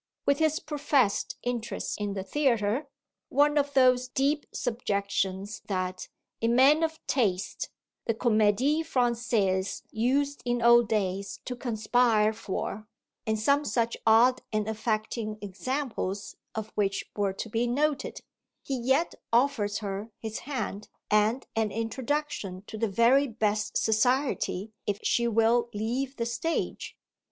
With his professed interest in the theatre one of those deep subjections that, in men of "taste," the Comédie Française used in old days to conspire for and some such odd and affecting examples of which were to be noted he yet offers her his hand and an introduction to the very best society if she will leave the stage.